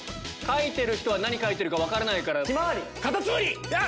描いてる人は何描いてるか分からないから。